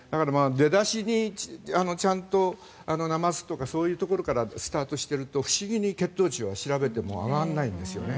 出だしにちゃんとなますとかそういうところからスタートしてると不思議に血糖値を調べても上がらないんですよね。